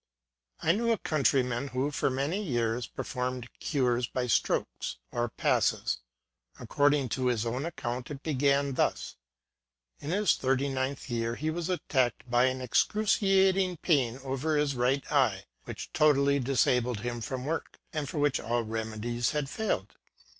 I knew a countryman who, for many years, per formed cures by strokes, or passes. According to his own account, it began thus : In his thirty ninth year he was attacked by an excruciating pain over his right eye, which totally disabled him from work, and for which all remedies had failed.